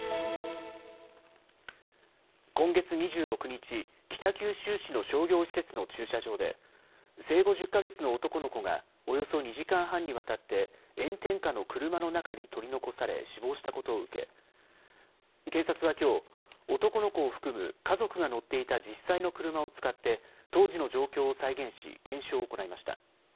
今月２６日、北九州市の商業施設の駐車場で生後１０か月の男の子がおよそ２時間半にわたって炎天下の車の中に取り残され死亡したことを受け警察はきょう男の子を含む家族が乗っていた実際の車を使って当時の状況を再現し検証を行いました。